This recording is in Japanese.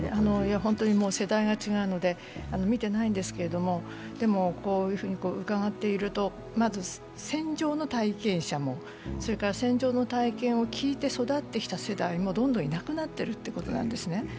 世代が違うので見てないんですけども、でもこうやって伺ってると、戦場の体験者もそれから戦場の体験を聞いて育ってきている世代もどんどんいなくなってるってことなんですね。